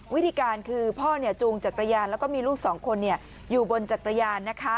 วิธีการคือพ่อจูงจักรยานแล้วก็มีลูกสองคนอยู่บนจักรยานนะคะ